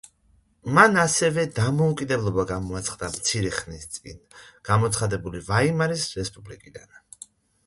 მან ასევე დამოუკიდებლობა გამოაცხადა მცირე ხნის წინ გამოცხადებული ვაიმარის რესპუბლიკისგან.